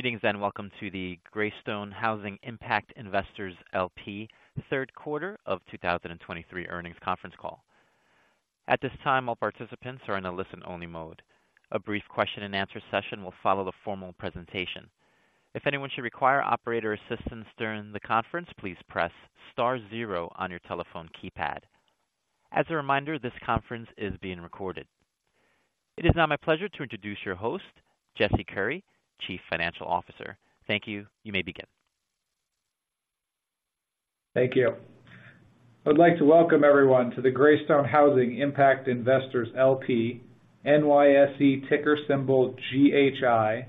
Greetings, and welcome to the Greystone Housing Impact Investors LP third quarter of 2023 earnings conference call. At this time, all participants are in a listen-only mode. A brief question-and-answer session will follow the formal presentation. If anyone should require operator assistance during the conference, please press star zero on your telephone keypad. As a reminder, this conference is being recorded. It is now my pleasure to introduce your host, Jesse Coury, Chief Financial Officer. Thank you. You may begin. Thank you. I'd like to welcome everyone to the Greystone Housing Impact Investors LP, NYSE ticker symbol GHI,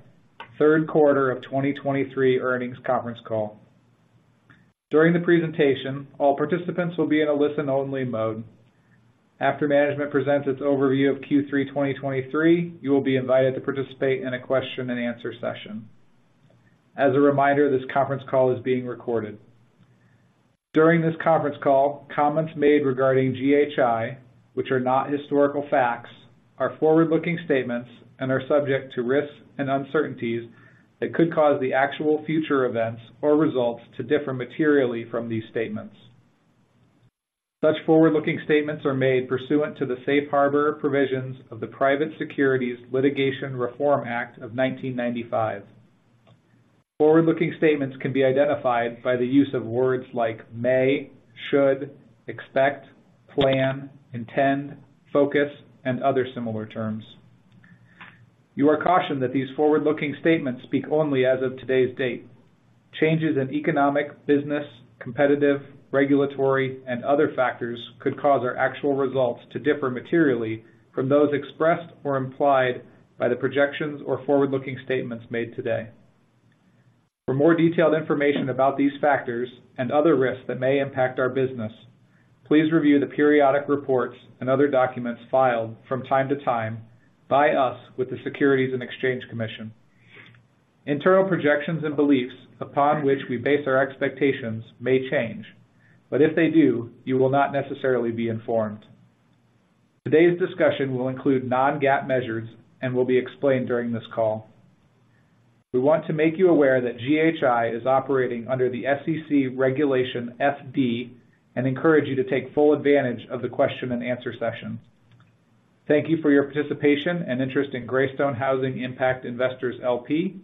third quarter of 2023 earnings conference call. During the presentation, all participants will be in a listen-only mode. After management presents its overview of Q3 2023, you will be invited to participate in a question-and-answer session. As a reminder, this conference call is being recorded. During this conference call, comments made regarding GHI, which are not historical facts, are forward-looking statements and are subject to risks and uncertainties that could cause the actual future events or results to differ materially from these statements. Such forward-looking statements are made pursuant to the safe harbor provisions of the Private Securities Litigation Reform Act of 1995. Forward-looking statements can be identified by the use of words like may, should, expect, plan, intend, focus, and other similar terms. You are cautioned that these forward-looking statements speak only as of today's date. Changes in economic, business, competitive, regulatory, and other factors could cause our actual results to differ materially from those expressed or implied by the projections or forward-looking statements made today. For more detailed information about these factors and other risks that may impact our business, please review the periodic reports and other documents filed from time to time by us with the Securities and Exchange Commission. Internal projections and beliefs upon which we base our expectations may change, but if they do, you will not necessarily be informed. Today's discussion will include non-GAAP measures and will be explained during this call. We want to make you aware that GHI is operating under the SEC Regulation FD and encourage you to take full advantage of the question and answer session. Thank you for your participation and interest in Greystone Housing Impact Investors LP.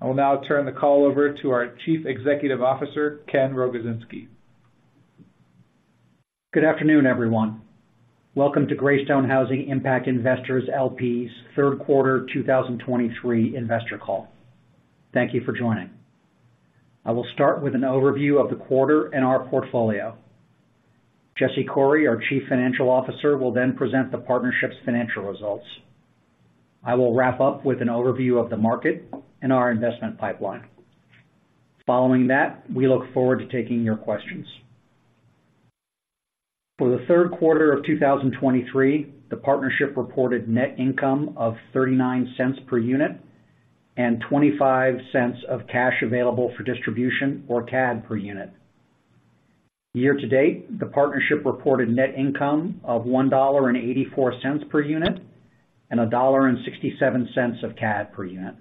I will now turn the call over to our Chief Executive Officer, Ken Rogozinski. Good afternoon, everyone. Welcome to Greystone Housing Impact Investors LP's third quarter 2023 investor call. Thank you for joining. I will start with an overview of the quarter and our portfolio. Jesse Coury, our Chief Financial Officer, will then present the partnership's financial results. I will wrap up with an overview of the market and our investment pipeline. Following that, we look forward to taking your questions. For the third quarter of 2023, the partnership reported net income of $0.39 per unit and $0.25 of cash available for distribution, or CAD, per unit. Year-to \-date, the partnership reported net income of $1.84 per unit and $1.67 of CAD per unit.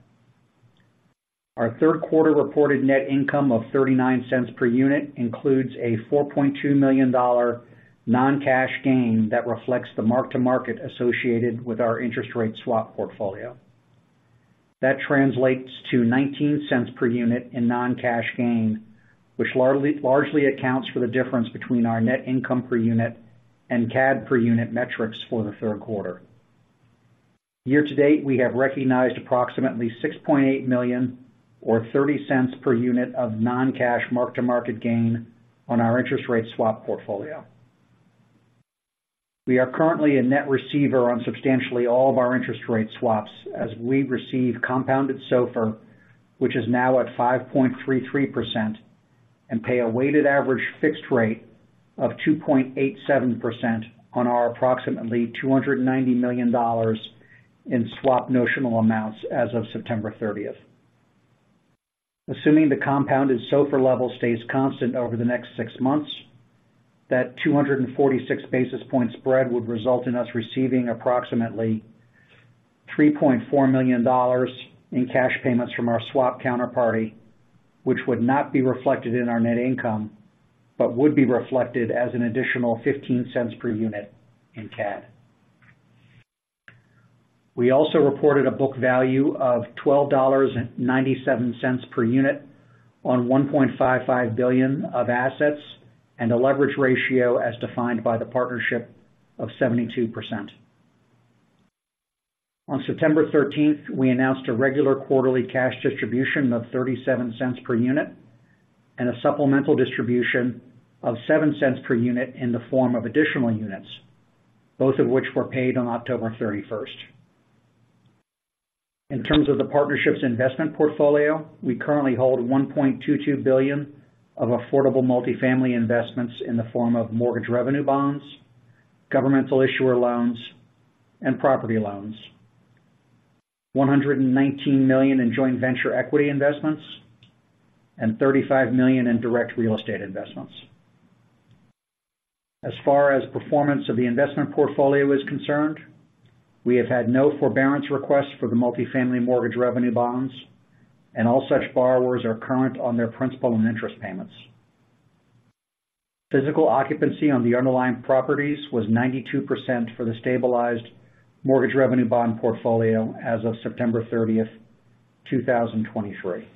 Our third quarter reported net income of $0.39 per unit includes a $4.2 million non-cash gain that reflects the mark-to-market associated with our interest rate swap portfolio. That translates to 19 cents per unit in non-cash gain, which largely accounts for the difference between our net income per unit and CAD per unit metrics for the third quarter. Year-to-date, we have recognized approximately $6.8 million, or $0.30 per unit of non-cash mark-to-market gain on our interest rate swap portfolio. We are currently a net receiver on substantially all of our interest rate swaps as we receive compounded SOFR, which is now at 5.33% and pay a weighted average fixed rate of 2.87% on our approximately $290 million in swap notional amounts as of September 30th. Assuming the compounded SOFR level stays constant over the next six months, that 246 basis point spread would result in us receiving approximately $3.4 million in cash payments from our swap counterparty, which would not be reflected in our net income, but would be reflected as an additional 0.15 per unit. We also reported a book value of $12.97 per unit on $1.55 billion of assets and a leverage ratio as defined by the partnership of 72%. On September 13th, we announced a regular quarterly cash distribution of $0.37 per unit and a supplemental distribution of $0.07 per unit in the form of additional units, both of which were paid on October 31st. In terms of the partnership's investment portfolio, we currently hold $1.22 billion of affordable multifamily investments in the form of mortgage revenue bonds, governmental issuer loans, and property loans. $119 million in joint venture equity investments and $35 million in direct real estate investments. As far as performance of the investment portfolio is concerned, we have had no forbearance requests for the multifamily mortgage revenue bonds, and all such borrowers are current on their principal and interest payments. Physical occupancy on the underlying properties was 92% for the stabilized mortgage revenue bond portfolio as of September 30th, 2023.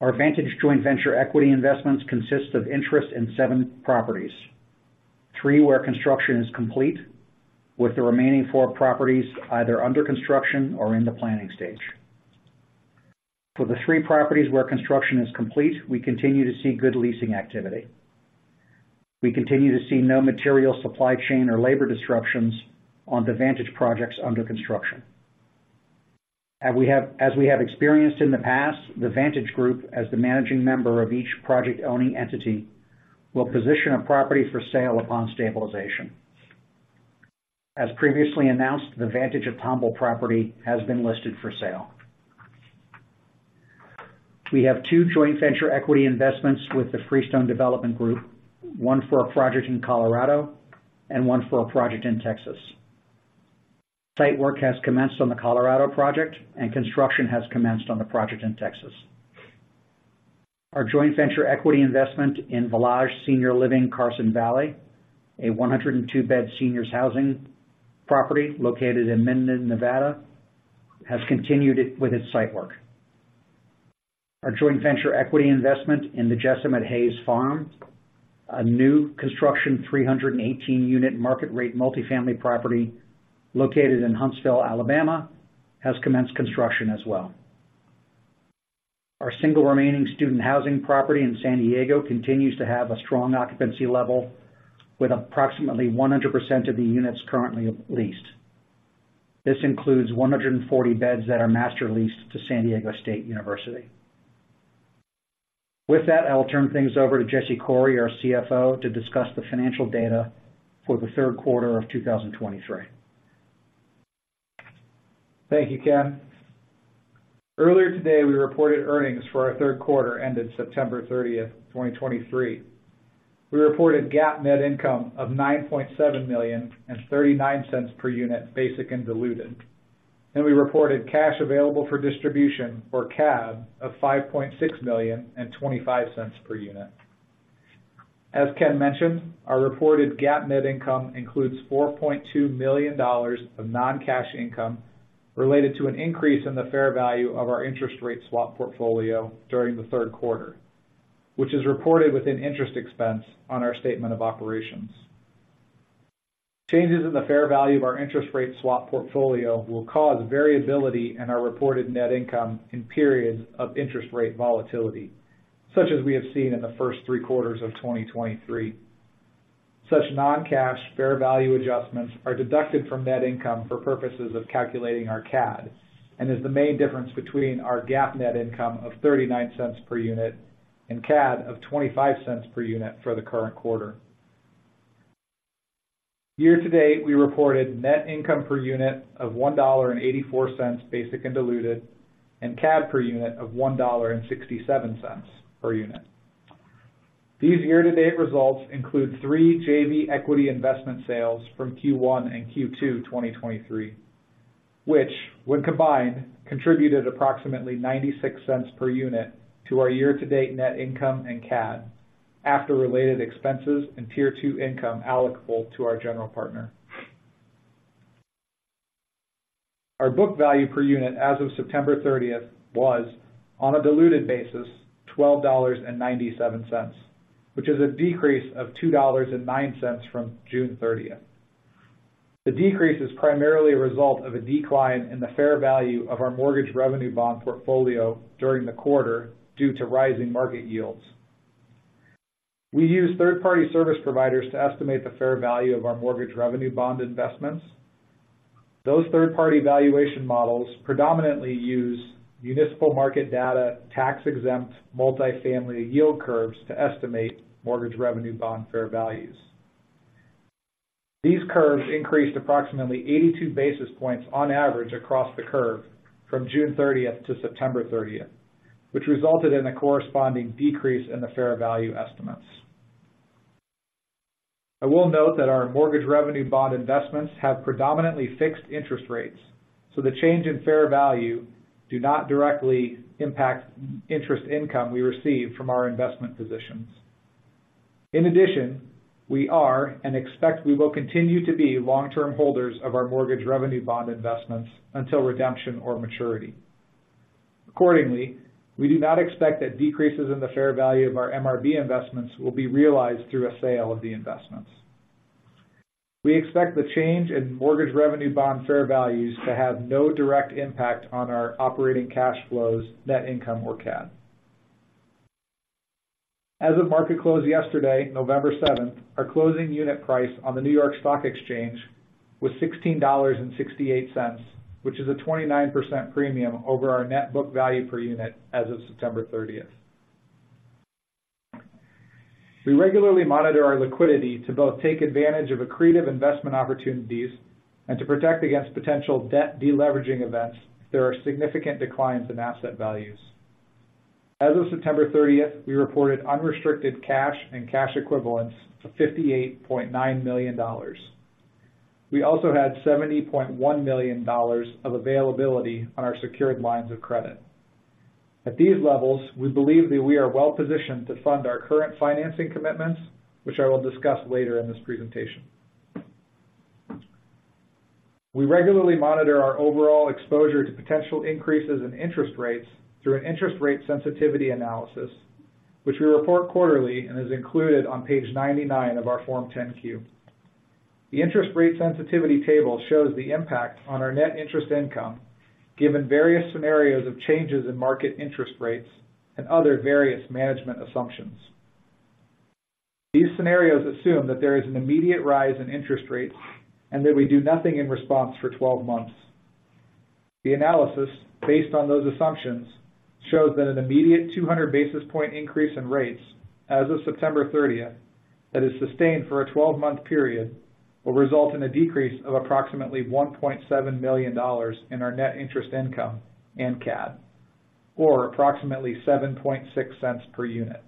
Our Vantage joint venture equity investments consist of interest in seven properties, three where construction is complete, with the remaining four properties either under construction or in the planning stage. For the three properties where construction is complete, we continue to see good leasing activity. We continue to see no material supply chain or labor disruptions on the Vantage projects under construction. As we have, as we have experienced in the past, the Vantage group, as the managing member of each project-owning entity, will position a property for sale upon stabilization. As previously announced, the Vantage of Tomball property has been listed for sale. We have two joint venture equity investments with the Freestone Development Group, one for a project in Colorado and one for a project in Texas. Site work has commenced on the Colorado project, and construction has commenced on the project in Texas. Our joint venture equity investment in Valage Senior Living Carson Valley, a 102-bed seniors housing property located in Minden, Nevada, has continued with its site work. Our joint venture equity investment in the Jessam at Hays Farm, a new construction, 318-unit market rate multifamily property located in Huntsville, Alabama, has commenced construction as well. Our single remaining student housing property in San Diego continues to have a strong occupancy level, with approximately 100% of the units currently leased. This includes 140 beds that are master leased to San Diego State University. With that, I'll turn things over to Jesse Coury, our CFO, to discuss the financial data for the third quarter of 2023. Thank you, Ken. Earlier today, we reported earnings for our third quarter ended September 30, 2023. We reported GAAP net income of $9.7 million and $0.39 per unit, basic and diluted, and we reported cash available for distribution, or CAD, of $5.6 million and $0.25 per unit. As Ken mentioned, our reported GAAP net income includes $4.2 million of non-cash income related to an increase in the fair value of our interest rate swap portfolio during the third quarter, which is reported within interest expense on our statement of operations. Changes in the fair value of our interest rate swap portfolio will cause variability in our reported net income in periods of interest rate volatility, such as we have seen in the first three quarters of 2023. Such non-cash fair value adjustments are deducted from net income for purposes of calculating our CAD, and is the main difference between our GAAP net income of $0.39 per unit and CAD of $0.25 per unit for the current quarter. Year-to-date, we reported net income per unit of $1.84, basic and diluted, and CAD per unit of $1.67 per unit. These year-to-date results include three JV equity investment sales from Q1 and Q2 2023, which, when combined, contributed approximately $0.96 per unit to our year-to-date net income and CAD after related expenses and Tier Two income allocable to our general partner. Our book value per unit as of September 30th was, on a diluted basis, $12.97, which is a decrease of $2.09 from June 30th. The decrease is primarily a result of a decline in the fair value of our Mortgage Revenue Bond Portfolio during the quarter due to rising market yields. We use third-party service providers to estimate the fair value of our Mortgage Revenue Bond Investments. Those third-party valuation models predominantly use municipal market data, tax-exempt, multifamily yield curves to estimate Mortgage Revenue Bond fair values. These curves increased approximately 82 basis points on average across the curve from June 30 - September 30, which resulted in a corresponding decrease in the fair value estimates. I will note that our Mortgage Revenue Bond investments have predominantly fixed interest rates, so the change in fair value do not directly impact interest income we receive from our investment positions. In addition, we are and expect we will continue to be long-term holders of our Mortgage Revenue Bond investments until redemption or maturity. Accordingly, we do not expect that decreases in the fair value of our MRB investments will be realized through a sale of the investments. We expect the change in mortgage revenue bond fair values to have no direct impact on our operating cash flows, net income, or CAD. As of market close yesterday, November 7th, our closing unit price on the New York Stock Exchange was $16.68, which is a 29% premium over our net book value per unit as of September 30th. We regularly monitor our liquidity to both take advantage of accretive investment opportunities and to protect against potential debt deleveraging events, there are significant declines in asset values. As of September 30th, we reported unrestricted cash and cash equivalents of $58.9 million. We also had $70.1 million of availability on our secured lines of credit. At these levels, we believe that we are well positioned to fund our current financing commitments, which I will discuss later in this presentation. We regularly monitor our overall exposure to potential increases in interest rates through an interest rate sensitivity analysis, which we report quarterly and is included on page 99 of our Form 10-Q. The interest rate sensitivity table shows the impact on our net interest income, given various scenarios of changes in market interest rates and other various management assumptions. These scenarios assume that there is an immediate rise in interest rates and that we do nothing in response for 12 months. The analysis, based on those assumptions, shows that an immediate 200 basis point increase in rates as of September 30th, that is sustained for a 12-month period, will result in a decrease of approximately $1.7 million in our net interest income and CAD, or approximately $0.076 per unit.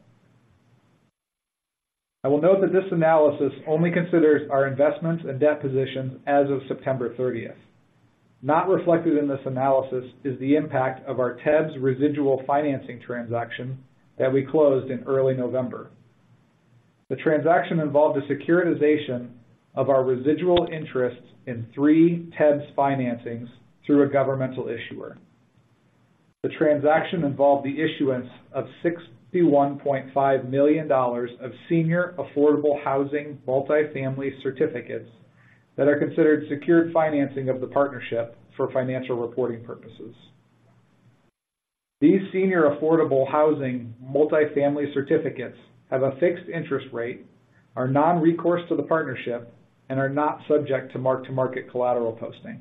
I will note that this analysis only considers our investment and debt positions as of September 30th. Not reflected in this analysis is the impact of our TEBS residual financing transaction that we closed in early November. The transaction involved the securitization of our residual interests in three TEBS financings through a governmental issuer. The transaction involved the issuance of $61.5 million of senior affordable housing multifamily certificates, that are considered secured financing of the partnership for financial reporting purposes. These senior affordable housing multifamily certificates have a fixed interest rate, are non-recourse to the partnership, and are not subject to mark-to-market collateral posting.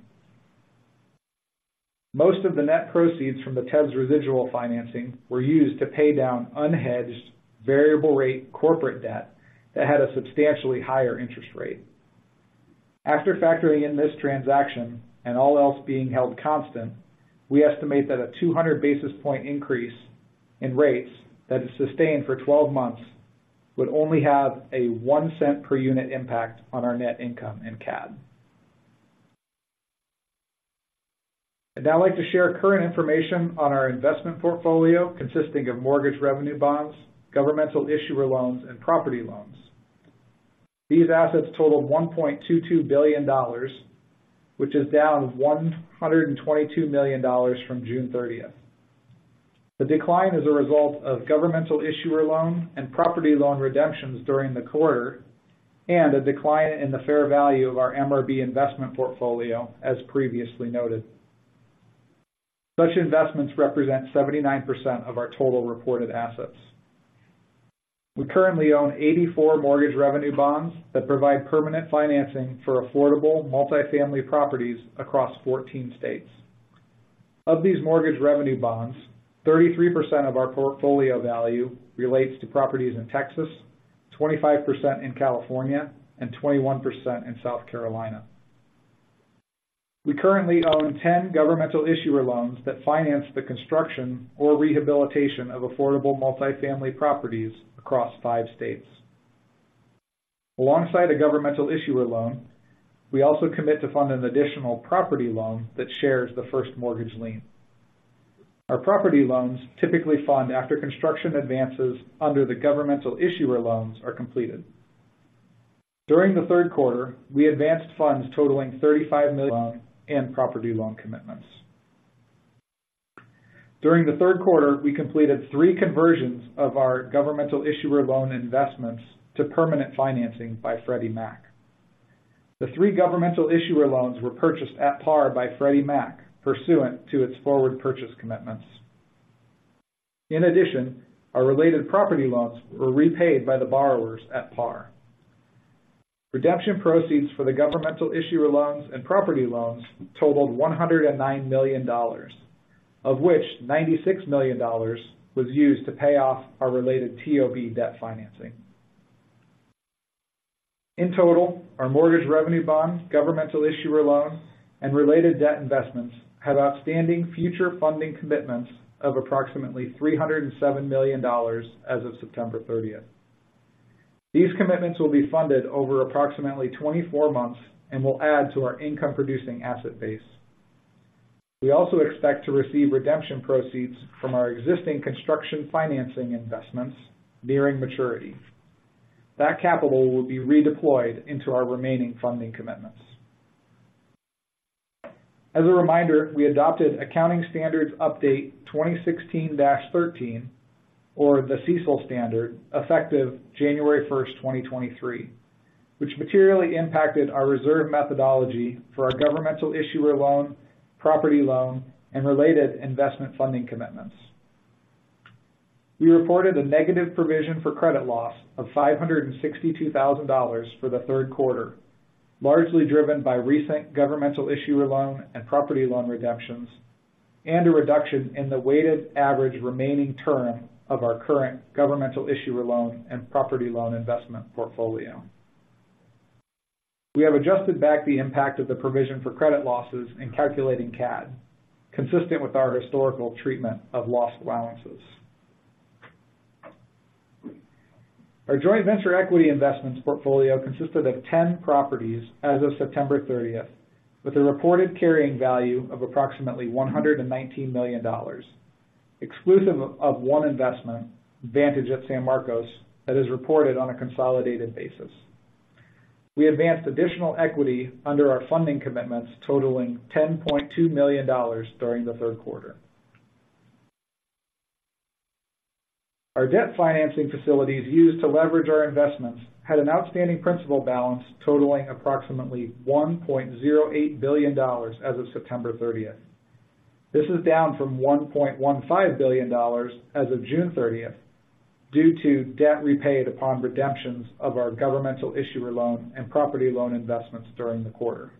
Most of the net proceeds from the TEBS residual financing were used to pay down unhedged variable rate corporate debt that had a substantially higher interest rate. After factoring in this transaction and all else being held constant, we estimate that a 200 basis point increase in rates that is sustained for 12 months, would only have a $0.01 per unit impact on our net income in CAD. I'd now like to share current information on our investment portfolio, consisting of Mortgage Revenue Bonds, Governmental Issuer Loans, and Property Loans. These assets totaled $1.22 billion, which is down $122 million from June 30th. The decline is a result of governmental issuer loan and property loan redemptions during the quarter, and a decline in the fair value of our MRB investment portfolio, as previously noted. Such investments represent 79% of our total reported assets. We currently own 84 Mortgage Revenue Bonds that provide permanent financing for affordable multifamily properties across 14 states. Of these mortgage revenue bonds, 33% of our portfolio value relates to properties in Texas, 25% in California, and 21% in South Carolina. We currently own 10 governmental issuer loans that finance the construction or rehabilitation of affordable multifamily properties across five states. Alongside a governmental issuer loan, we also commit to fund an additional property loan that shares the first mortgage lien. Our property loans typically fund after construction advances under the governmental issuer loans are completed. During the third quarter, we advanced funds totaling $35 million and property loan commitments. During the third quarter, we completed three conversions of our governmental issuer loans investments to permanent financing by Freddie Mac. The three Governmental Issuer Loans were purchased at par by Freddie Mac, pursuant to its forward purchase commitments. In addition, our related Property Loans were repaid by the borrowers at par. Redemption proceeds for the Governmental Issuer Loans and Property Loans totaled $109 million, of which $96 million was used to pay off our related TOB debt financing. In total, our Mortgage Revenue Bonds, governmental issuer loans, and related debt investments had outstanding future funding commitments of approximately $307 million as of September 13th. These commitments will be funded over approximately 24 months and will add to our income-producing asset base. We also expect to receive redemption proceeds from our existing construction financing investments nearing maturity. That capital will be redeployed into our remaining funding commitments. As a reminder, we adopted Accounting Standards Update 2016-13, or the CECL standard, effective January 1st, 2023, which materially impacted our reserve methodology for our governmental issuer loan, property loan, and related investment funding commitments. We reported a negative provision for credit loss of $562,000 for the third quarter, largely driven by recent governmental issuer loan and property loan redemptions, and a reduction in the weighted average remaining term of our current governmental issuer loan and property loan investment portfolio. We have adjusted back the impact of the provision for credit losses in calculating CAD, consistent with our historical treatment of loss allowances. Our joint venture equity investments portfolio consisted of 10 properties as of September 30th, with a reported carrying value of approximately $119 million, exclusive of one investment, Vantage of San Marcos, that is reported on a consolidated basis. We advanced additional equity under our funding commitments totaling $10.2 million during the third quarter. Our debt financing facilities used to leverage our investments had an outstanding principal balance totaling approximately $1.08 billion as of September 30th. This is down from $1.15 billion as of June 30th, due to debt repaid upon redemptions of our governmental issuer loan and property loan investments during the quarter.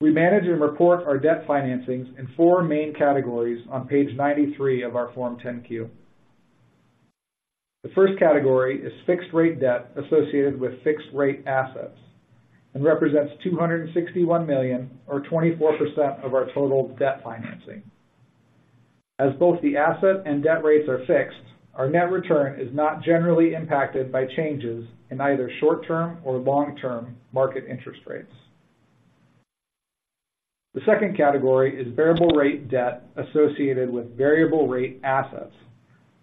We manage and report our debt financings in four main categories on page 93 of our Form 10-Q. The first category is fixed-rate debt associated with fixed-rate assets and represents $261 million, or 24% of our total debt financing. As both the asset and debt rates are fixed, our net return is not generally impacted by changes in either short-term or long-term market interest rates. The second category is variable rate debt associated with variable rate assets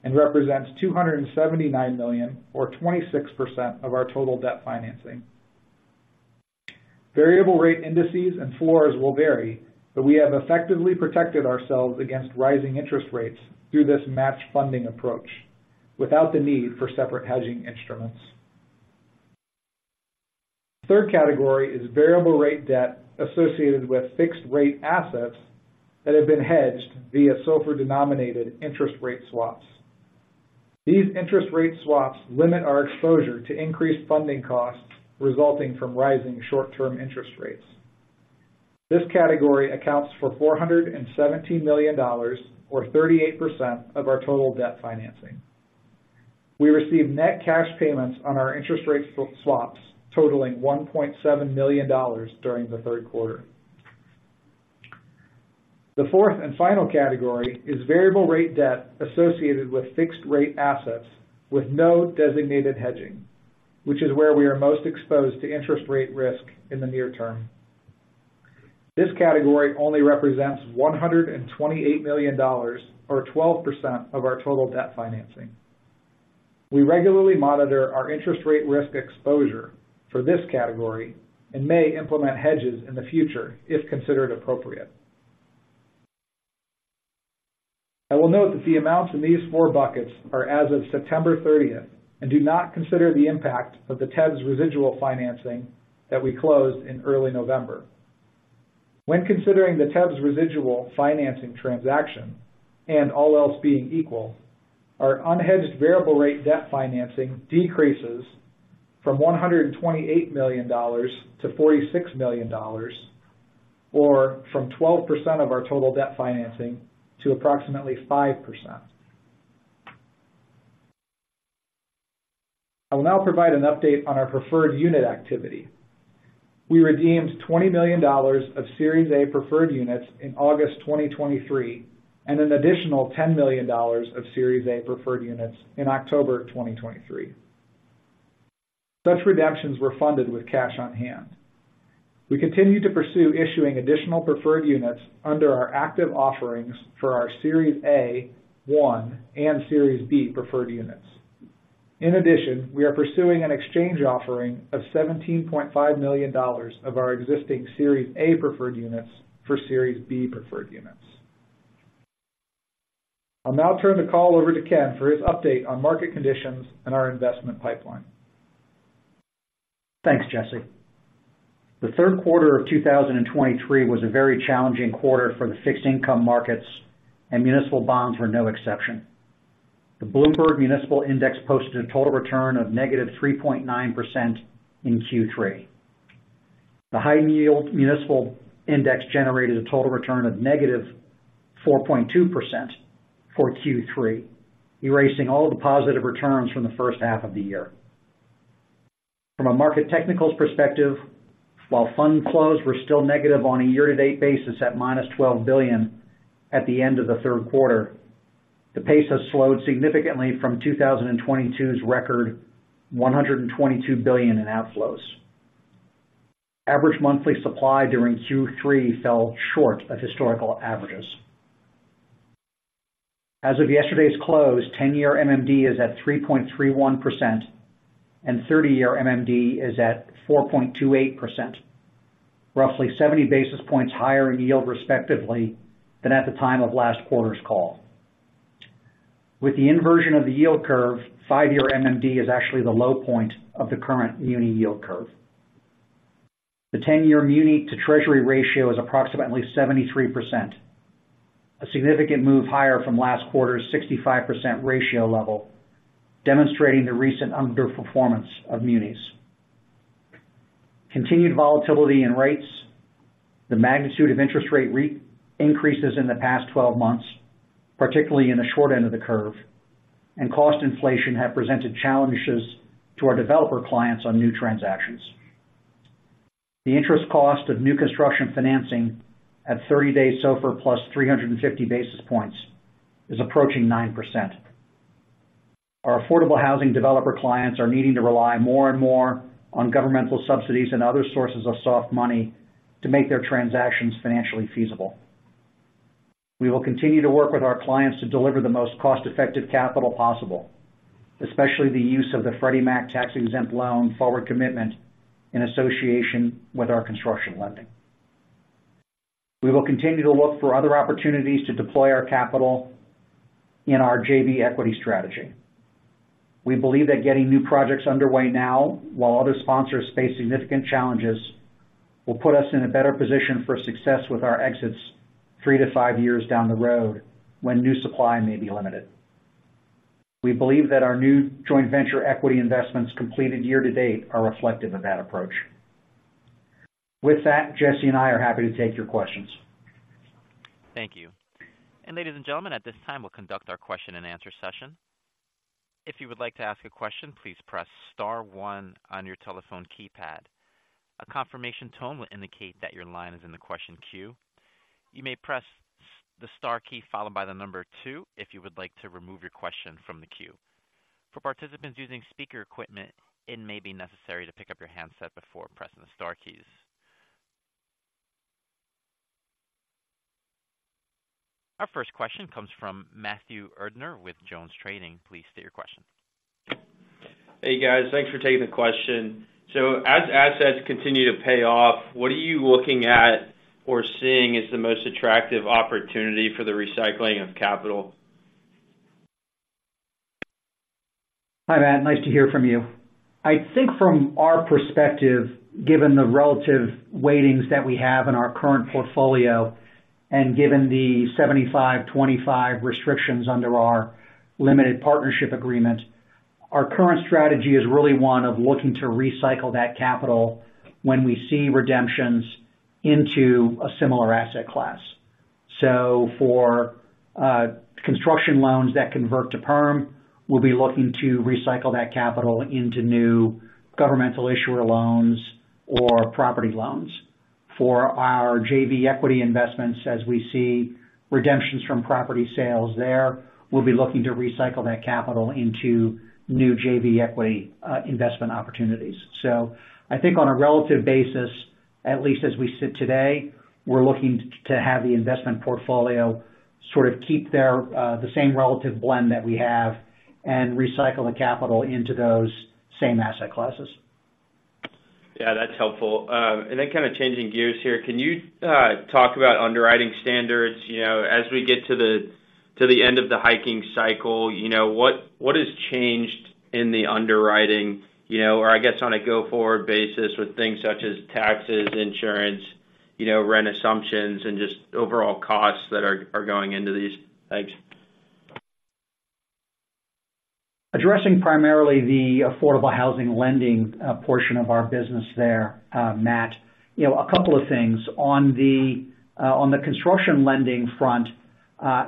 and represents $279 million, or 26% of our total debt financing. Variable rate indices and floors will vary, but we have effectively protected ourselves against rising interest rates through this matched funding approach, without the need for separate hedging instruments. Third category is variable rate debt associated with fixed-rate assets that have been hedged via SOFR denominated interest rate swaps. These interest rate swaps limit our exposure to increased funding costs resulting from rising short-term interest rates. This category accounts for $417 million, or 38% of our total debt financing. We received net cash payments on our interest rate swaps totaling $1.7 million during the third quarter. The fourth and final category is variable rate debt associated with fixed-rate assets with no designated hedging, which is where we are most exposed to interest rate risk in the near term. This category only represents $128 million, or 12% of our total debt financing. We regularly monitor our interest rate risk exposure for this category and may implement hedges in the future if considered appropriate. I will note that the amounts in these four buckets are as of September thirtieth and do not consider the impact of the TEBS residual financing that we closed in early November. When considering the TEBS residual financing transaction and all else being equal, our unhedged variable rate debt financing decreases from $128 million-$46 million, or from 12% of our total debt financing to approximately 5%. I will now provide an update on our preferred unit activity. We redeemed $20 million of Series A Preferred Units in August 2023, and an additional $10 million of Series A Preferred Units in October 2023. Such redemptions were funded with cash on hand. We continue to pursue issuing additional preferred units under our active offerings for our Series A-1 and Series B Preferred Units. In addition, we are pursuing an exchange offering of $17.5 million of our existing Series A Preferred Units for Series B Preferred Units. I'll now turn the call over to Ken for his update on market conditions and our investment pipeline. Thanks, Jesse. The third quarter of 2023 was a very challenging quarter for the fixed income markets, and municipal bonds were no exception. The Bloomberg Municipal Index posted a total return of -3.9% in Q3. The high yield municipal index generated a total return of -4.2% for Q3, erasing all the positive returns from the first half of the year. From a market technicals perspective, while fund flows were still negative on a year-to-date basis at -$12 billion at the end of the third quarter, the pace has slowed significantly from 2022's record, $122 billion in outflows. Average monthly supply during Q3 fell short of historical averages. As of yesterday's close, 10-year MMD is at 3.31%, and 30-year MMD is at 4.28%, roughly 70 basis points higher in yield respectively than at the time of last quarter's call. With the inversion of the yield curve, five-year MMD is actually the low point of the current muni yield curve. The 10-year muni-to-treasury ratio is approximately 73%, a significant move higher from last quarter's 65% ratio level, demonstrating the recent underperformance of munis. Continued volatility in rates, the magnitude of interest rate re-increases in the past 12 months, particularly in the short end of the curve, and cost inflation have presented challenges to our developer clients on new transactions. The interest cost of new construction financing at 30-day SOFR plus 350 basis points is approaching 9%. Our affordable housing developer clients are needing to rely more and more on governmental subsidies and other sources of soft money to make their transactions financially feasible. We will continue to work with our clients to deliver the most cost-effective capital possible, especially the use of the Freddie Mac tax exempt loan forward commitment in association with our construction lending. We will continue to look for other opportunities to deploy our capital in our JV equity strategy. We believe that getting new projects underway now, while other sponsors face significant challenges, will put us in a better position for success with our exits 3-5 years down the road when new supply may be limited. We believe that our new joint venture equity investments completed year to date are reflective of that approach. With that, Jesse and I are happy to take your questions. Thank you. Ladies and gentlemen, at this time, we'll conduct our question and answer session. If you would like to ask a question, please press star one on your telephone keypad. A confirmation tone will indicate that your line is in the question queue. You may press the star key followed by the number two if you would like to remove your question from the queue. For participants using speaker equipment, it may be necessary to pick up your handset before pressing the star keys. Our first question comes from Matthew Erdner with JonesTrading. Please state your question. Hey, guys. Thanks for taking the question. So as assets continue to pay off, what are you looking at or seeing as the most attractive opportunity for the recycling of capital? Hi, Matt, nice to hear from you. I think from our perspective, given the relative weightings that we have in our current portfolio, and given the 75, 25 restrictions under our limited partnership agreement, our current strategy is really one of looking to recycle that capital when we see redemptions into a similar asset class. So for construction loans that convert to perm, we'll be looking to recycle that capital into new governmental issuer loans or property loans. For our JV equity investments, as we see redemptions from property sales there, we'll be looking to recycle that capital into new JV equity investment opportunities. So I think on a relative basis, at least as we sit today, we're looking to have the investment portfolio sort of keep their the same relative blend that we have and recycle the capital into those same asset classes. Yeah, that's helpful. And then kind of changing gears here, can you talk about underwriting standards? You know, as we get to the end of the hiking cycle, you know, what has changed in the underwriting? You know, or I guess on a go-forward basis with things such as taxes, insurance, you know, rent assumptions and just overall costs that are going into these. Thanks. Addressing primarily the affordable housing lending portion of our business there, Matt, you know, a couple of things. On the construction lending front,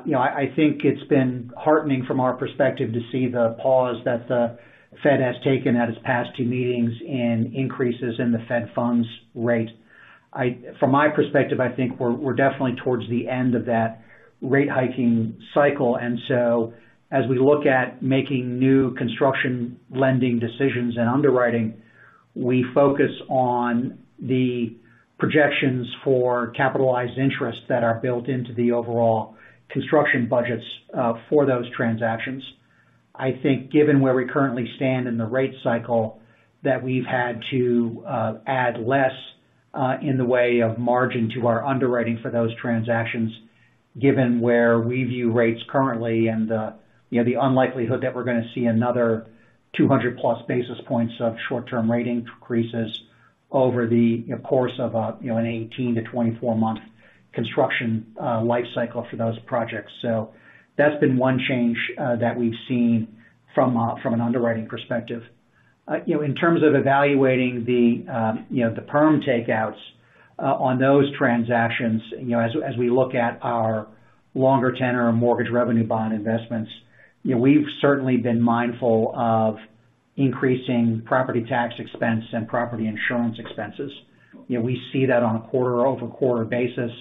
you know, I think it's been heartening from our perspective to see the pause that the Fed has taken at its past two meetings in increases in the Fed funds rate. From my perspective, I think we're definitely towards the end of that rate hiking cycle. And so as we look at making new construction lending decisions and underwriting, we focus on the projections for capitalized interest that are built into the overall construction budgets for those transactions. I think given where we currently stand in the rate cycle, that we've had to add less in the way of margin to our underwriting for those transactions, given where we view rates currently and, you know, the unlikelihood that we're going to see another 200+ basis points of short-term rating increases over the, you know, course of a, you know, an 18-24 month construction life cycle for those projects. So that's been one change that we've seen from a- from an underwriting perspective. You know, in terms of evaluating the, you know, the perm takeouts on those transactions, you know, as we look at our longer tenure or Mortgage Revenue Bond investments, you know, we've certainly been mindful of increasing property tax expense and property insurance expenses. You know, we see that on a quarter-over-quarter basis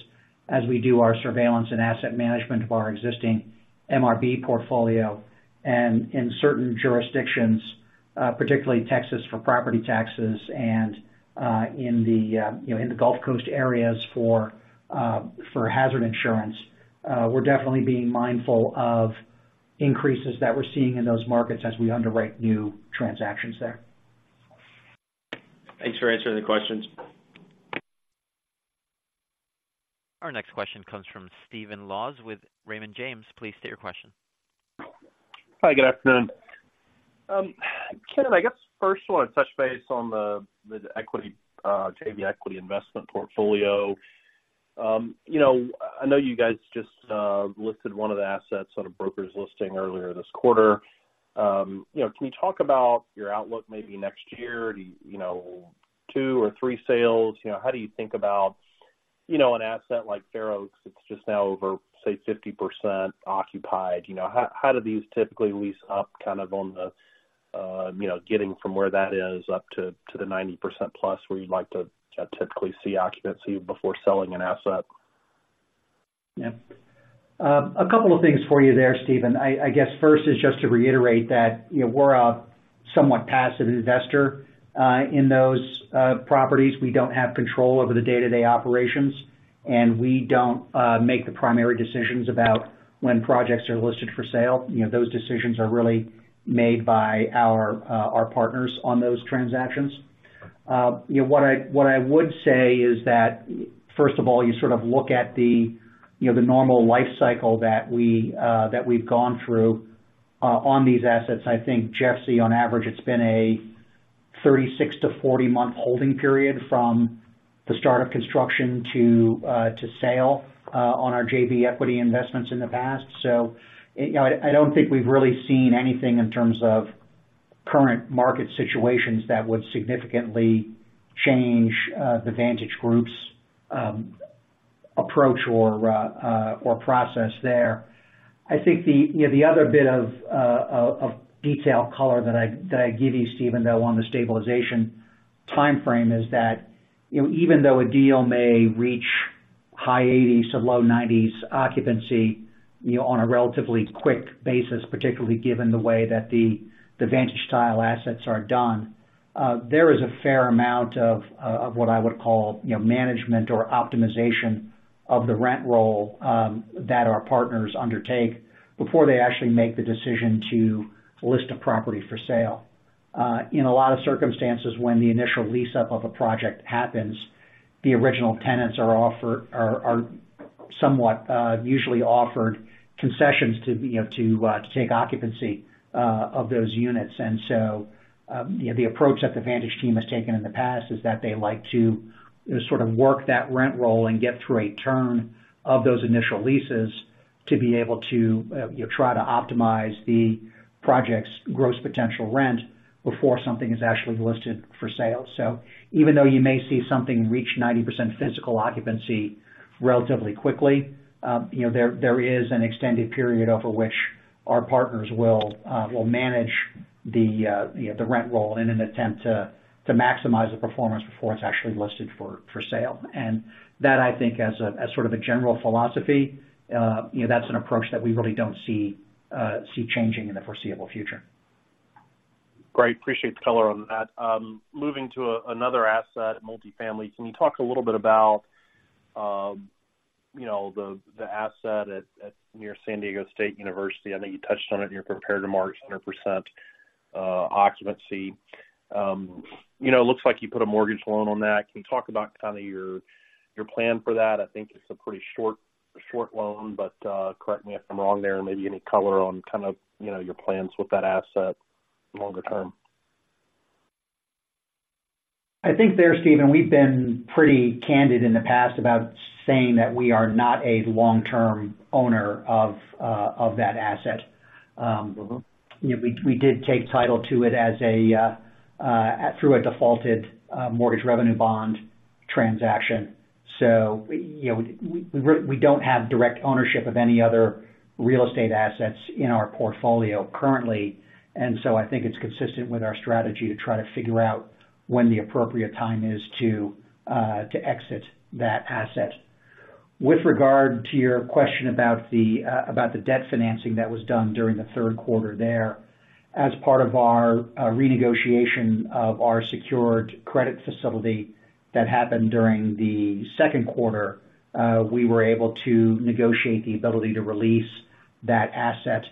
as we do our surveillance and asset management of our existing MRB portfolio. In certain jurisdictions, particularly Texas, for property taxes and, you know, in the Gulf Coast areas for hazard insurance, we're definitely being mindful of increases that we're seeing in those markets as we underwrite new transactions there. Thanks for answering the questions. Our next question comes from Stephen Laws with Raymond James. Please state your question. Hi, good afternoon. Ken, I guess first I want to touch base on the equity, JV equity investment portfolio, you know, I know you guys just listed one of the assets on a broker's listing earlier this quarter. You know, can you talk about your outlook maybe next year, you know, two or three sales? You know, how do you think about, you know, an asset like Fair Oaks, it's just now over, say, 50% occupied. You know, how, how do these typically lease up, kind of, on the, you know, getting from where that is up to, to the 90% plus, where you'd like to typically see occupancy before selling an asset? Yeah. A couple of things for you there, Stephen. I, I guess first is just to reiterate that, you know, we're a somewhat passive investor in those properties. We don't have control over the day-to-day operations, and we don't make the primary decisions about when projects are listed for sale. You know, those decisions are really made by our our partners on those transactions. You know, what I, what I would say is that, first of all, you sort of look at the, you know, the normal life cycle that we that we've gone through on these assets. I think, Jesse, on average, it's been a 36-40 month holding period from the start of construction to sale on our JV Equity Investments in the past. So, you know, I don't think we've really seen anything in terms of current market situations that would significantly change the Vantage Group's approach or process there. I think the, you know, the other bit of detailed color that I'd give you, Stephen, though, on the stabilization timeframe is that, you know, even though a deal may reach high 80s to low 90s occupancy, you know, on a relatively quick basis, particularly given the way that the Vantage style assets are done, there is a fair amount of what I would call, you know, management or optimization of the rent roll that our partners undertake before they actually make the decision to list a property for sale. In a lot of circumstances, when the initial lease-up of a project happens, the original tenants are somewhat usually offered concessions to, you know, to take occupancy of those units. And so, you know, the approach that the Vantage team has taken in the past is that they like to sort of work that rent roll and get through a term of those initial leases to be able to, you know, try to optimize the project's gross potential rent before something is actually listed for sale. So even though you may see something reach 90% physical occupancy relatively quickly, you know, there is an extended period over which our partners will manage the, you know, the rent roll in an attempt to maximize the performance before it's actually listed for sale. That, I think, as sort of a general philosophy, you know, that's an approach that we really don't see changing in the foreseeable future. Great. Appreciate the color on that. Moving to another asset, multifamily. Can you talk a little bit about, you know, the asset near San Diego State University? I think you touched on it in your prepared remarks, 100% occupancy. You know, it looks like you put a mortgage loan on that. Can you talk about kind of your plan for that? I think it's a pretty short loan, but correct me if I'm wrong there, and maybe any color on kind of, you know, your plans with that asset longer term. I think there, Stephen, we've been pretty candid in the past about saying that we are not a long-term owner of that asset. You know, we did take title to it through a defaulted mortgage revenue bond transaction. So, you know, we don't have direct ownership of any other real estate assets in our portfolio currently. And so I think it's consistent with our strategy to try to figure out when the appropriate time is to exit that asset. With regard to your question about the debt financing that was done during the third quarter there, as part of our renegotiation of our secured credit facility that happened during the second quarter, we were able to negotiate the ability to release that asset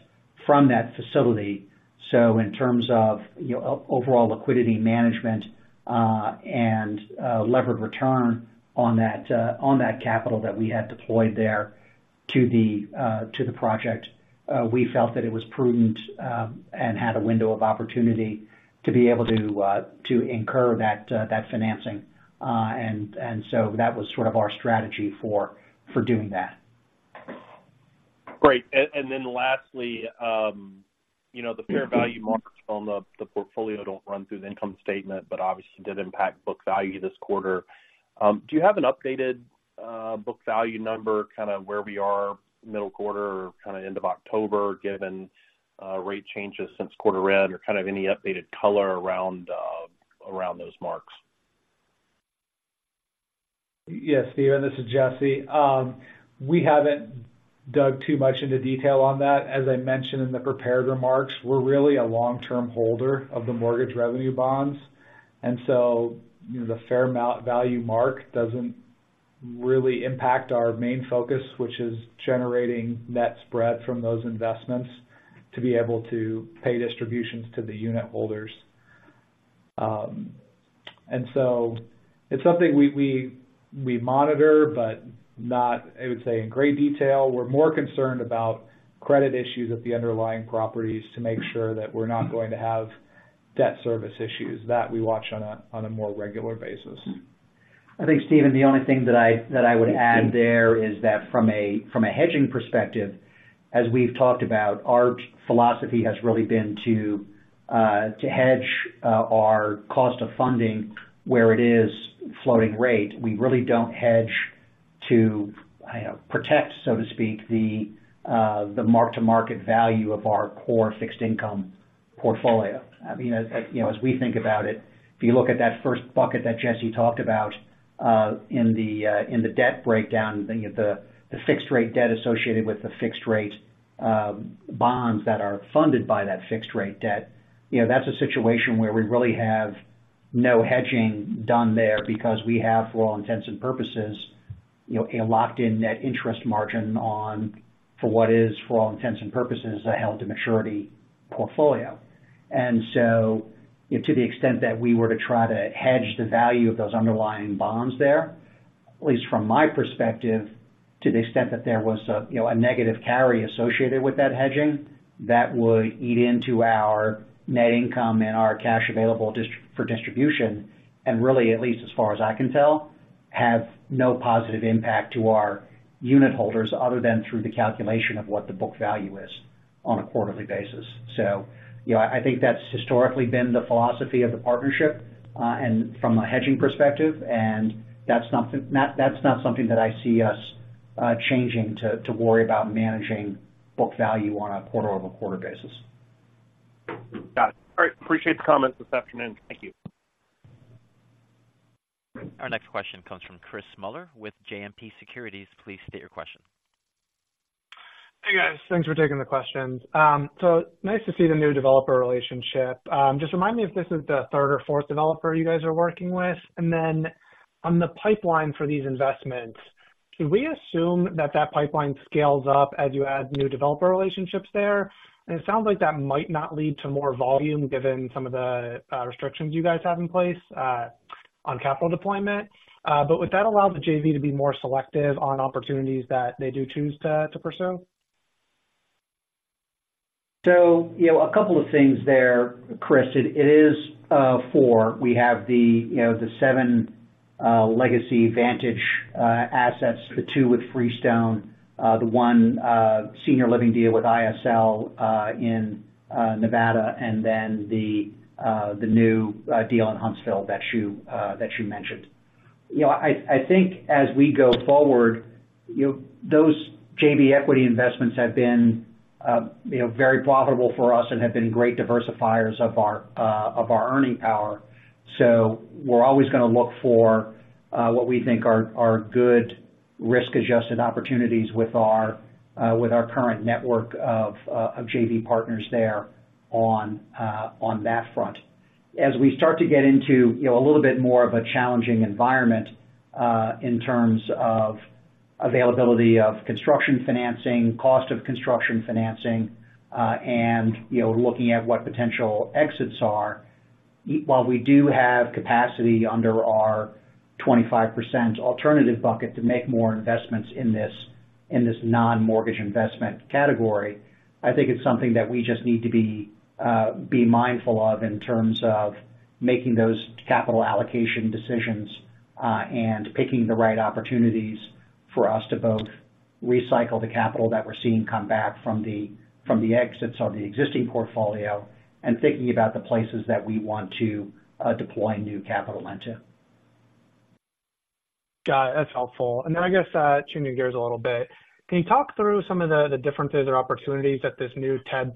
from that facility. So in terms of, you know, overall liquidity management, and levered return on that, on that capital that we had deployed there to the, to the project, we felt that it was prudent, and had a window of opportunity to be able to, to incur that, that financing. And so that was sort of our strategy for, for doing that. Great. And then lastly, you know, the fair value marks on the, the portfolio don't run through the income statement, but obviously did impact book value this quarter. Do you have an updated, book value number, kind of where we are middle quarter or kind of end of October, given, rate changes since quarter end, or kind of any updated color around, around those marks? Yes, Steven, this is Jesse. We haven't dug too much into detail on that. As I mentioned in the prepared remarks, we're really a long-term holder of the mortgage revenue bonds, and so, you know, the fair value mark doesn't really impact our main focus, which is generating net spread from those investments to be able to pay distributions to the unitholders. And so it's something we monitor, but not, I would say, in great detail. We're more concerned about credit issues at the underlying properties to make sure that we're not going to have debt service issues that we watch on a more regular basis. I think, Stephen, the only thing that I would add there is that from a hedging perspective, as we've talked about, our philosophy has really been to hedge our cost of funding where it is floating rate. We really don't hedge to, I don't know, protect, so to speak, the mark-to-market value of our core fixed income portfolio. I mean, as you know, as we think about it, if you look at that first bucket that Jesse talked about in the debt breakdown, think of the fixed-rate debt associated with the fixed-rate bonds that are funded by that fixed-rate debt. You know, that's a situation where we really have no hedging done there because we have, for all intents and purposes, you know, a locked-in net interest margin on, for what is, for all intents and purposes, a held-to-maturity portfolio. And so, you know, to the extent that we were to try to hedge the value of those underlying bonds there, at least from my perspective, to the extent that there was a, you know, a negative carry associated with that hedging, that would eat into our net income and our cash available for distribution, and really, at least as far as I can tell, have no positive impact to our unit holders other than through the calculation of what the book value is on a quarterly basis. So, you know, I think that's historically been the philosophy of the partnership, and from a hedging perspective, and that's not something that's not something that I see us changing to worry about managing book value on a quarter-over-quarter basis. Got it. All right. Appreciate the comments this afternoon. Thank you. Our next question comes from Chris Mueller with JMP Securities. Please state your question. Hey, guys. Thanks for taking the questions. So nice to see the new developer relationship. Just remind me if this is the third or fourth developer you guys are working with? And then on the pipeline for these investments, should we assume that that pipeline scales up as you add new developer relationships there? And it sounds like that might not lead to more volume, given some of the restrictions you guys have in place on capital deployment? But would that allow the JV to be more selective on opportunities that they do choose to pursue? So, you know, a couple of things there, Chris. It is four. We have the, you know, the seven legacy Vantage assets, the two with Freestone, the one senior living deal with ISL in Nevada, and then the new deal in Huntsville that you mentioned. You know, I think as we go forward, you know, those JV equity investments have been, you know, very profitable for us and have been great diversifiers of our earning power. So we're always gonna look for what we think are good risk-adjusted opportunities with our current network of JV partners there on that front. As we start to get into, you know, a little bit more of a challenging environment, in terms of availability of construction financing, cost of construction financing, and, you know, looking at what potential exits are, while we do have capacity under our 25% alternative bucket to make more investments in this, in this non-mortgage investment category, I think it's something that we just need to be, be mindful of in terms of making those capital allocation decisions, and picking the right opportunities for us to both recycle the capital that we're seeing come back from the, from the exits of the existing portfolio, and thinking about the places that we want to, deploy new capital into. Got it. That's helpful. And then I guess, changing gears a little bit, can you talk through some of the, the differences or opportunities that this new TEBS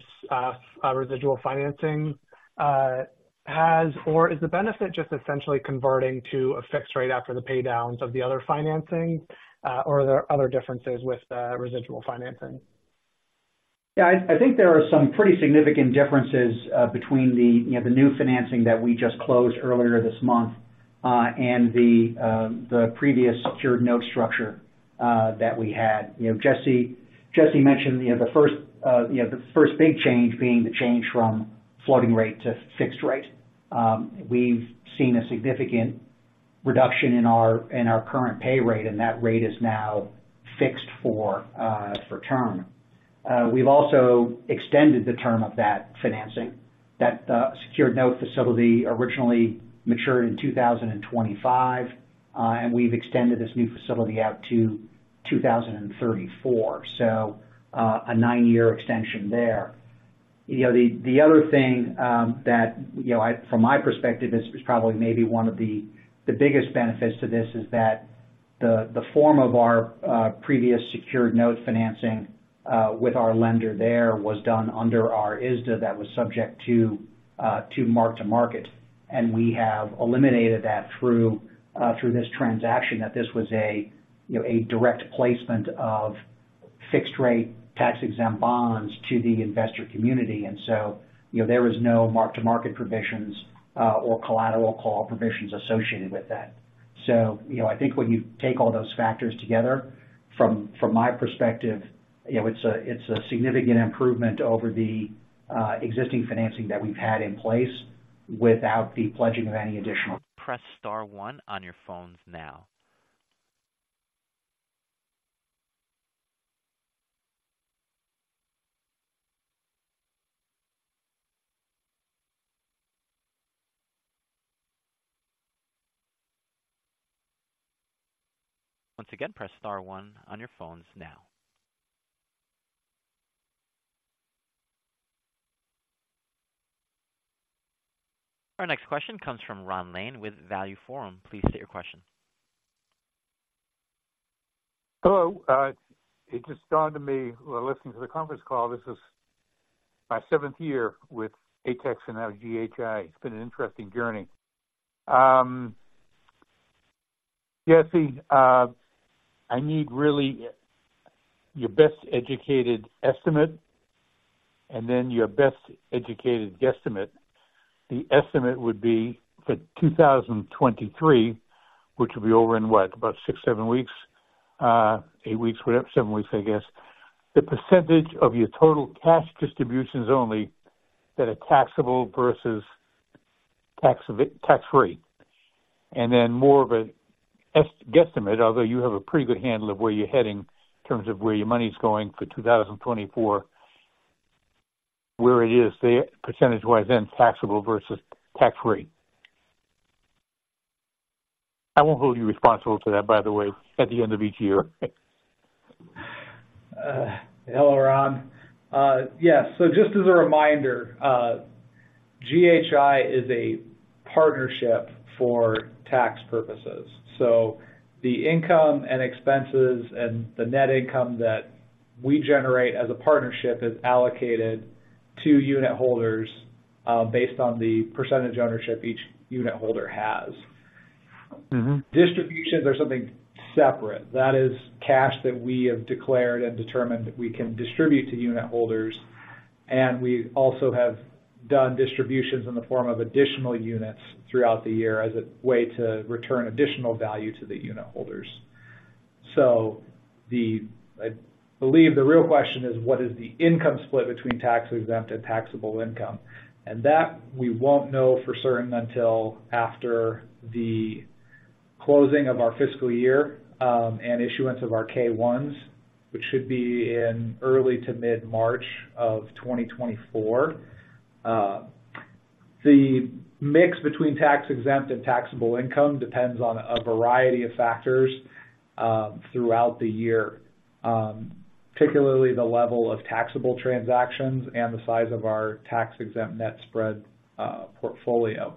residual financing, has? Or is the benefit just essentially converting to a fixed rate after the paydowns of the other financing, or are there other differences with the residual financing? Yeah, I, I think there are some pretty significant differences, uh, between the, you know, the new financing that we just closed earlier this month, uh, and the, the previous secured note structure, uh, that we had. You know, Jesse, Jesse mentioned, you know, the first, uh, you know, the first big change being the change from floating rate to fixed rate. We've seen a significant reduction in our, in our current pay rate, and that rate is now fixed for, uh, for term. Uh, we've also extended the term of that financing. That, uh, secured note facility originally matured in 2025, uh, and we've extended this new facility out to 2034, so, uh, a nine-year extension there. You know, the other thing that, you know, I—from my perspective, is probably maybe one of the biggest benefits to this, is that the form of our previous secured note financing with our lender there was done under our ISDA that was subject to mark-to-market, and we have eliminated that through this transaction, that this was a, you know, a direct placement of fixed rate tax-exempt bonds to the investor community. And so, you know, there is no mark-to-market provisions or collateral call provisions associated with that. So I think when you take all those factors together, from my perspective, you know, it's a significant improvement over the existing financing that we've had in place without the pledging of any additional. Press star one on your phones now. Once again, press star one on your phones now. Our next question comes from Ron Lane with Value Forum. Please state your question. Hello. It just dawned on me while listening to the conference call, this is my seventh year with ATAX and now GHI. It's been an interesting journey. Jesse, I need really your best educated estimate and then your best educated guesstimate. The estimate would be for 2023, which will be over in what? About six, seven weeks, eight weeks, whatever, seven weeks, I guess. The percentage of your total cash distributions only that are taxable versus tax, tax-free? And then more of a guesstimate, although you have a pretty good handle of where you're heading in terms of where your money's going for 2024? Where it is the percentage-wise then taxable versus tax rate? I won't hold you responsible for that, by the way, at the end of each year. Hello, Ron. Yes. So just as a reminder, GHI is a partnership for tax purposes. So the income and expenses and the net income that we generate as a partnership is allocated to unitholders, based on the percentage ownership each unitholder has. Mm-hmm. Distributions are something separate, that is cash that we have declared and determined that we can distribute to unitholders, and we also have done distributions in the form of additional units throughout the year as a way to return additional value to the unitholders. So I believe the real question is, what is the income split between tax-exempt and taxable income? And that we won't know for certain until after the closing of our fiscal year, and issuance of our K-1s, which should be in early to mid-March of 2024. The mix between tax-exempt and taxable income depends on a variety of factors throughout the year, particularly the level of taxable transactions and the size of our tax-exempt net spread portfolio.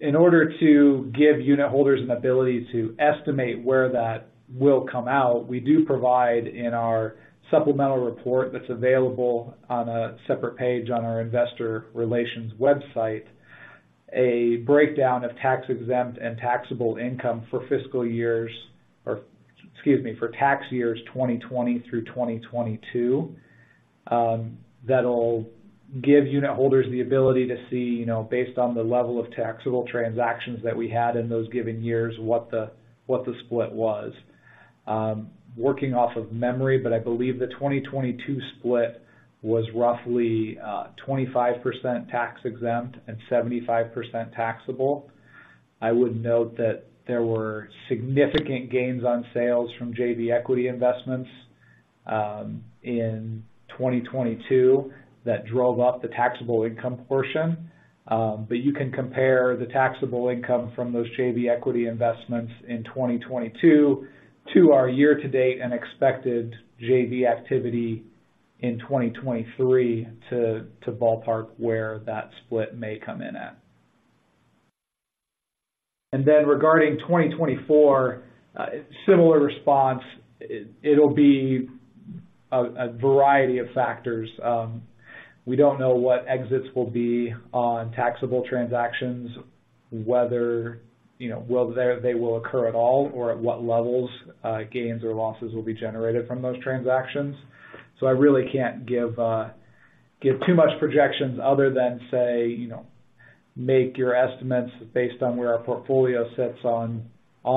In order to give unitholders an ability to estimate where that will come out, we do provide in our supplemental report, that's available on a separate page on our investor relations website, a breakdown of tax-exempt and taxable income for fiscal years, or excuse me, for tax years 2020 through 2022. That'll give unitholders the ability to see, you know, based on the level of taxable transactions that we had in those given years, what the, what the split was. Working off of memory, but I believe the 2022 split was roughly, 25% tax-exempt and 75% taxable. I would note that there were significant gains on sales from JV equity investments, in 2022, that drove up the taxable income portion. But you can compare the taxable income from those JV Equity Investments in 2022 to our year-to-date and expected JV activity in 2023 to ballpark where that split may come in at. And then regarding 2024, similar response, it'll be a variety of factors. We don't know what exits will be on taxable transactions, whether you know they will occur at all, or at what levels gains or losses will be generated from those transactions. So I really can't give too much projections other than say you know make your estimates based on where our portfolio sits on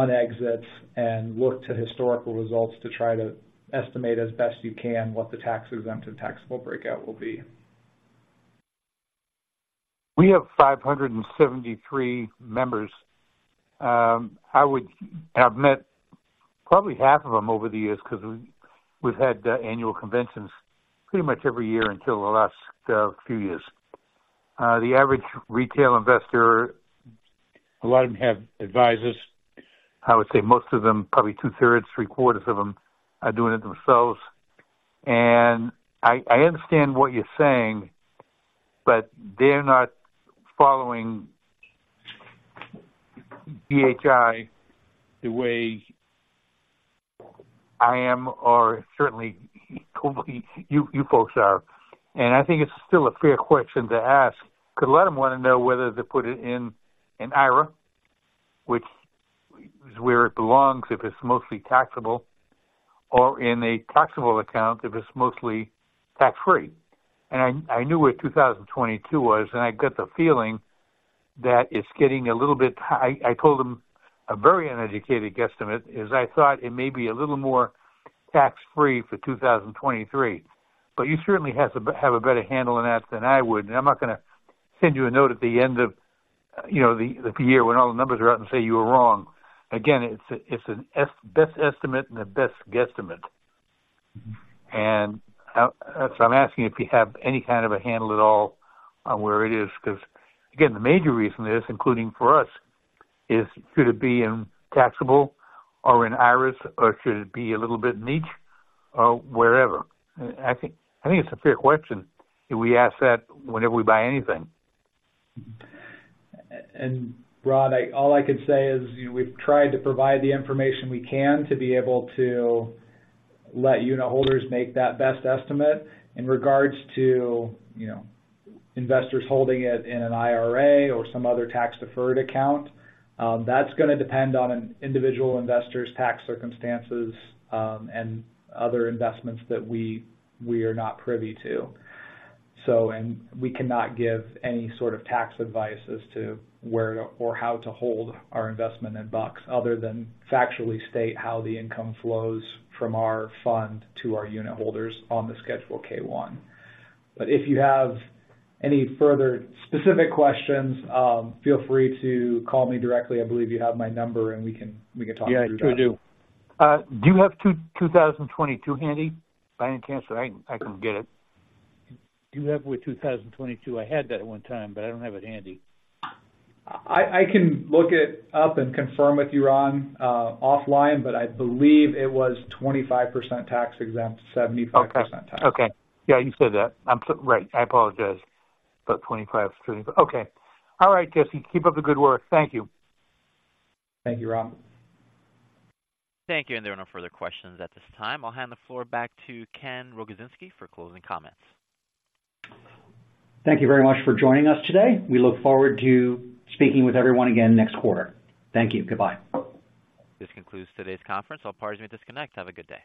exits, and look to historical results to try to estimate as best you can what the tax-exempt and taxable breakout will be. We have 573 members. I would have met probably half of them over the years because we, we've had annual conventions pretty much every year until the last few years. The average retail investor, a lot of them have advisors. I would say most of them, probably 2/3, 3/4 of them, are doing it themselves. And I, I understand what you're saying, but they're not following GHI the way I am, or certainly, you folks are. And I think it's still a fair question to ask, because a lot of them want to know whether to put it in an IRA, which is where it belongs, if it's mostly taxable, or in a taxable account, if it's mostly tax-free. And I, I knew where 2022 was, and I get the feeling that it's getting a little bit high. I told them a very uneducated guesstimate, is I thought it may be a little more tax-free for 2023. But you certainly have to have a better handle on that than I would. And I'm not going to send you a note at the end of you know, the year when all the numbers are out and say you were wrong. Again, it's a best estimate and a best guesstimate. So I'm asking if you have any kind of a handle at all on where it is, because, again, the major reason is, including for us, is should it be in taxable or in IRAs, or should it be a little bit niche or wherever? I think it's a fair question, and we ask that whenever we buy anything. And Ron, I all I can say is, you know, we've tried to provide the information we can to be able to let unitholders make that best estimate. In regards to, you know, investors holding it in an IRA or some other tax-deferred account, that's gonna depend on an individual investor's tax circumstances, and other investments that we are not privy to. So. And we cannot give any sort of tax advice as to where or how to hold our investment in BUCs, other than factually state how the income flows from our fund to our unitholders on the Schedule K-1. But if you have any further specific questions, feel free to call me directly. I believe you have my number, and we can talk through that. Yeah, I sure do. Do you have 2022 handy? By any chance, or I can get it. Do you have with 2022? I had that at one time, but I don't have it handy. I can look it up and confirm with you, Ron, offline, but I believe it was 25% tax exempt, 75% tax. Okay. Okay. Yeah, you said that. I'm so right. I apologize. About 25. Okay. All right, Jesse, keep up the good work. Thank you. Thank you, Ron. Thank you, and there are no further questions at this time. I'll hand the floor back to Ken Rogozinski for closing comments. Thank you very much for joining us today. We look forward to speaking with everyone again next quarter. Thank you. Goodbye. This concludes today's conference. All parties may disconnect. Have a good day.